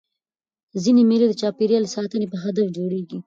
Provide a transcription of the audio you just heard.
ځيني مېلې د چاپېریال د ساتني په هدف جوړېږي.